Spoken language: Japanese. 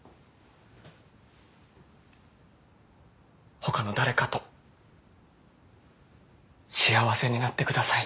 他の誰かと幸せになってください。